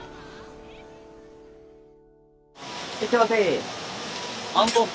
いらっしゃいませ。